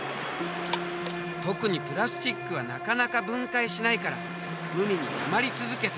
特にプラスチックはなかなか分解しないから海にたまり続けて。